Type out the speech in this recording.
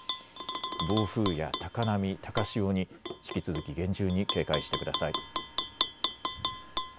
暴風や高波、高潮に引き続き厳重に警戒してください。